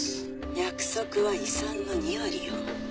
「約束は遺産の２割よ。